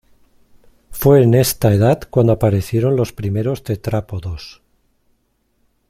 Fue en esta edad cuando aparecieron los primeros tetrápodos.